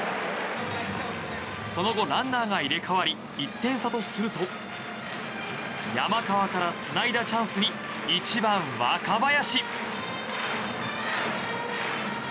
その後、ランナーが入れ替わり１点差とすると山川からつないだチャンスに１番、若林。